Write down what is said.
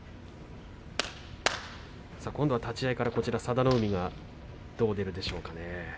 今度は立ち合いから佐田の海どう出るでしょうか。